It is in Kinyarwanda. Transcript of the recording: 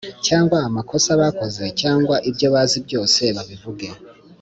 cyangwa amakosa bakoze cyangwa ibyo bazi byose babivuge